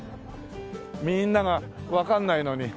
みんながわかんないのに。